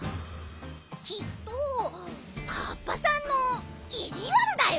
きっとかっぱさんのいじわるだよ。